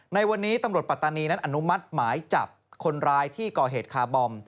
ในวันนี้ตำรวจปัตตานีนั้นอนุมัติหมายจับคนร้ายที่ก่อเหตุคาร์บอม